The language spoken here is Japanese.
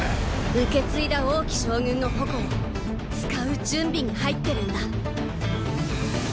受けついだ王騎将軍の矛を使う準備に入ってるんだ。